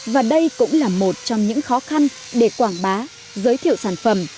và đây cũng là một trong những khó khăn để quảng bá giới thiệu sản phẩm